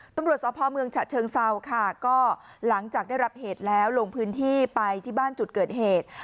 ตำรวจสพเมืองฉะเชิงเซาค่ะก็หลังจากได้รับเหตุแล้วลงพื้นที่ไปที่บ้านจุดเกิดเหตุ